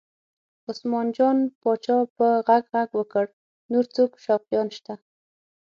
عثمان جان پاچا په غږ غږ وکړ نور څوک شوقیان شته؟